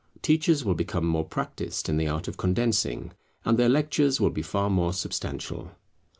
Teachers will become more practised in the art of condensing, and their lectures will be far more substantial.